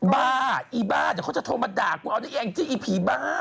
อีบ้าเดี๋ยวเขาจะโทรมาด่ากูเอาได้เองจี้อีผีบ้า